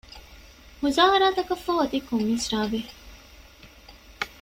މުޒާހަރާތަކަށް ފަހު އޮތީ ކޮން މިސްރާބެއް؟